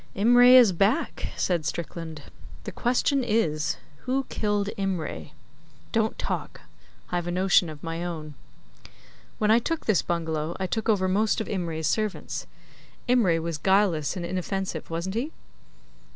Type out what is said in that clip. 'Imray is back,' said Strickland. 'The question is who killed Imray? Don't talk, I've a notion of my own. When I took this bungalow I took over most of Imray's servants. Imray was guileless and inoffensive, wasn't he?